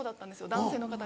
男性の方。